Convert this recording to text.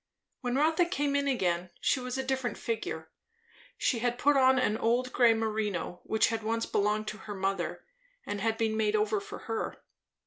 When Rotha came in again, she was a different figure. She had put on an old grey merino, which had once belonged to her mother and had been made over for her.